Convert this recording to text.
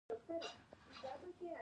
د کیلویډ د زخم زیاته وده ده.